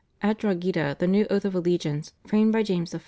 At Drogheda the new Oath of Allegiance framed by James I.